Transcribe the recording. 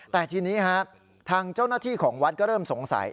แต่ทีนี้ทางเจ้าหน้าที่ของวัดก็เริ่มสงสัย